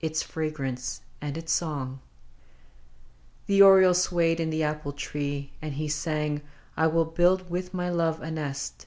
Its fragrance and its song !" The oriole swayed in the apple tree, And he sang :" I will build, with my love, a nest.